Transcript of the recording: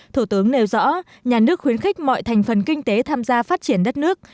thủ tướng nêu rõ nhà nước khuyến khích mọi thành phần kinh tế tham gia phát triển đất nước